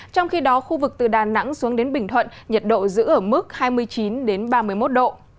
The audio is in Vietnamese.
trong khi đó khu vực từ đà nẵng xuống đến bình thuận nhiệt độ giữ ở mức hai mươi chín ba mươi một độ